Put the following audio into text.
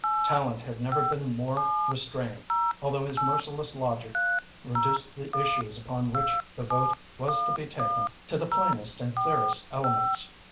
Tallente had never been more restrained, although his merciless logic reduced the issues upon which the vote was to be taken to the plainest and clearest elements.